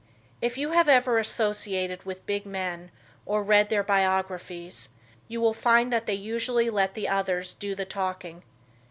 If you have ever associated with big men, or read their biographies, you will find that they usually let the others do the talking.